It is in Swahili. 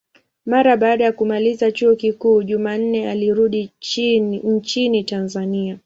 Mara baada ya kumaliza chuo kikuu, Jumanne alirudi nchini Tanzania.